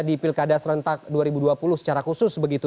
di pilkada serentak dua ribu dua puluh secara khusus begitu